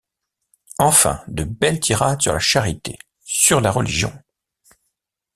Enfin de belles tirades sur la charité, sur la religion!